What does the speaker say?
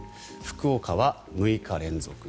福岡は６日連続